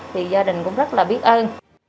thì gia đình cũng rất biết ơn